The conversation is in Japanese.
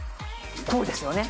こうですよね？